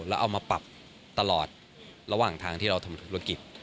แล้วเอามาปรับตลอดระหว่างทางที่เราทำธุรกิจ